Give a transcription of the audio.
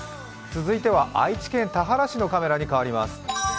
続いては愛知県田原市のカメラに変わります。